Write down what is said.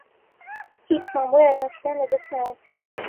هیچمان بۆ یارمەتیدان لەدەست نایەت.